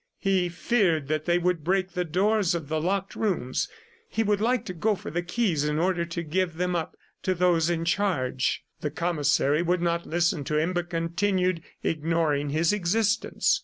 He feared that they would break the doors of the locked rooms he would like to go for the keys in order to give them up to those in charge. The commissary would not listen to him but continued ignoring his existence.